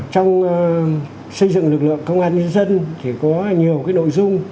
trong xây dựng lực lượng công an nhân dân thì có nhiều nội dung